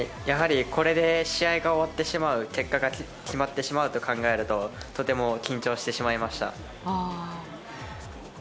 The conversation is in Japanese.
やはりこれで試合が終わってしまう結果が決まってしまうと考えるととても緊張してしまいました。